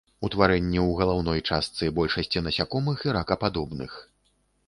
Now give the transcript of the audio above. Утварэнні ў галаўной частцы большасці насякомых і ракападобных.